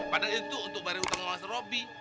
padahal itu untuk barang utang sama serobi